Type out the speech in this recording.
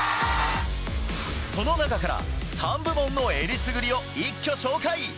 その中から３部門の選りすぐりを一挙紹介。